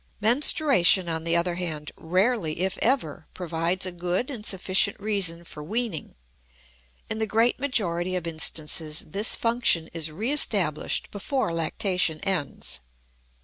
Menstruation, on the other hand, rarely if ever provides a good and sufficient reason for weaning. In the great majority of instances this function is re established before lactation ends.